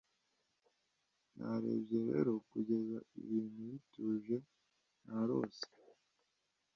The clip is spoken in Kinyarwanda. Narebye rero kugeza ibintu bituje narose